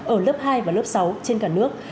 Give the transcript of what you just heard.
ở lớp hai và lớp sáu trên cả nước